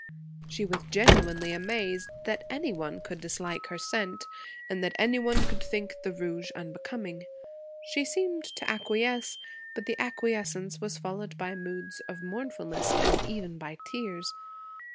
She was genuinely amazed that any one could dislike her scent and that any one could think the rouge unbecoming. She seemed to acquiesce, but the acquiescence was followed by moods of mournfulness and even by tears.